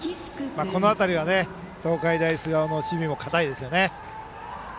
この辺りは東海大菅生の守備も堅いですね。